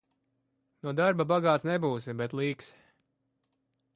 No darba bagāts nebūsi, bet līks.